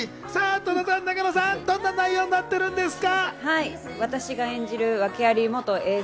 戸田さん、永野さん、どんな内容になってるんですか？